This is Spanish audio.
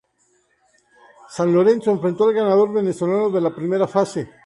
San Lorenzo enfrentó al ganador venezolano de la primera fase.